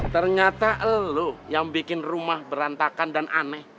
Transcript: ternyata lu yang bikin rumah berantakan dan aneh